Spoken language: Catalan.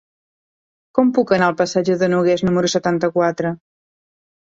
Com puc anar al passatge de Nogués número setanta-quatre?